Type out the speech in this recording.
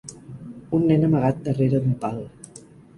Un nen amagat darrere d'un pal.